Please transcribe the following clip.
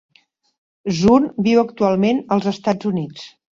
Zun viu actualment als Estats Units.